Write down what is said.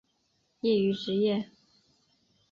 业余职业